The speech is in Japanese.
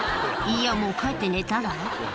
いや、もう帰って寝たら？